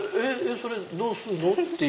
それどうするの？って。